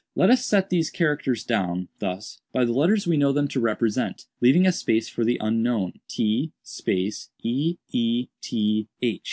Let us set these characters down, thus, by the letters we know them to represent, leaving a space for the unknown— t eeth.